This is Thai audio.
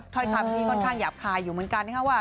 ถ้อยคำนี้ค่อนข้างหยาบคายอยู่เหมือนกันนะครับว่า